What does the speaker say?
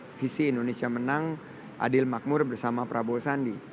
karena visi indonesia menang adil makmur bersama prabowo sandi